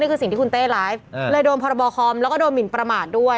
สิ่งที่คุณเต้ไลฟ์เลยโดนพรบคอมแล้วก็โดนหมินประมาทด้วย